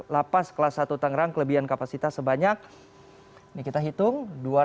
lapas kelas satu tanggerang kelebihan kapasitas sebanyak ini kita hitung dua ratus empat puluh delapan